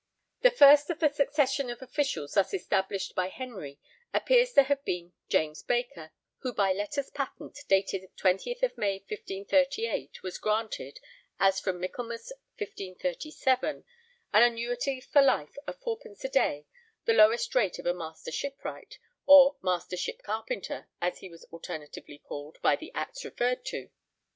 The first of the succession of officials thus established by Henry appears to have been James Baker, who by letters patent dated the 20th May 1538 was granted, as from Michaelmas 1537, an annuity for life of fourpence a day, the lowest rate of a Master Shipwright, or Master Ship Carpenter as he was alternatively called by the Acts referred to.